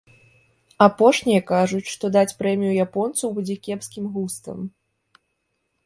Апошнія кажуць, што даць прэмію японцу будзе кепскім густам.